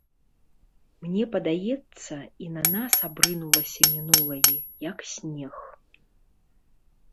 Мне падаецца, і на нас абрынулася мінулае, як снег.